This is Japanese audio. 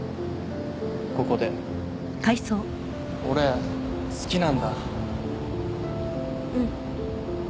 ここで俺好きなんだうん